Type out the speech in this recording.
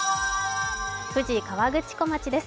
富士河口湖町です。